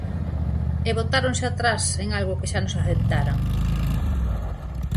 E botáronse a atrás en algo que xa nos aceptaran.